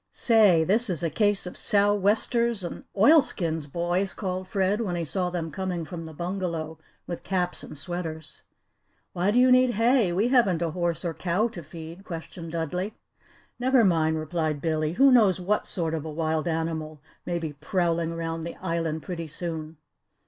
"Say, this is a case of sou'westers and oilskins, boys," called Fred, when he saw them coming from the bungalow with caps and sweaters. "Why do you need hay we haven't a horse or cow to feed?" questioned Dudley. "Never mind," replied Billy; "who knows what sort of a wild animal may be prowling around the island pretty soon."